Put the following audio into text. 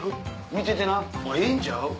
見ててなあっええんちゃう？